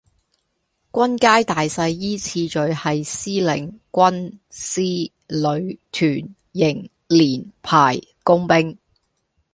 軍階大細依次序係司令,軍,師,旅,團,營,連,排,工兵